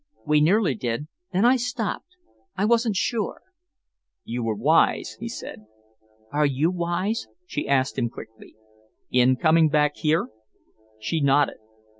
"We nearly did. Then I stopped I wasn't sure." "You were wise," he said. "Are you wise?" she asked him quickly. "In coming back here?" She nodded.